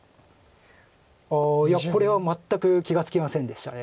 ああいやこれは全く気が付きませんでした。